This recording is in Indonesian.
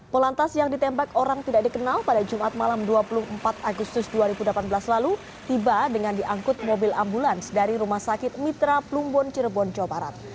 polantas yang ditembak orang tidak dikenal pada jumat malam dua puluh empat agustus dua ribu delapan belas lalu tiba dengan diangkut mobil ambulans dari rumah sakit mitra plumbon cirebon jawa barat